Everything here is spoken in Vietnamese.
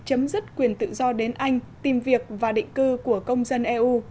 chấm dứt quyền tự do đến anh tìm việc và định cư của công dân eu